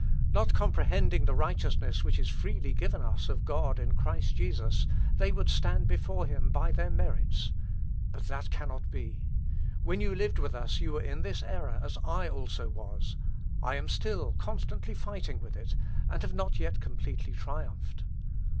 Not comprehending the righteousness which is freely given us of God in Christ Jesus, they would stand before him by their merits. But that cannot be. When you lived with us you were in this error, as I also was. I am still constantly fighting with it; and have not yet completely triumphed.